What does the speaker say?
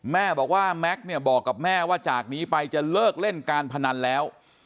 แม่บอกว่าแม็กซ์เนี่ยบอกกับแม่ว่าจากนี้ไปจะเลิกเล่นการพนันแล้ว